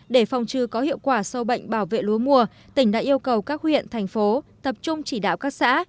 để phòng trừ có hiệu quả sâu bệnh bảo vệ lúa mùa tỉnh đã yêu cầu các huyện thành phố tập trung chỉ đạo các xã